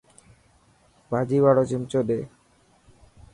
ڀاڄي واڙو چمچو ڏي.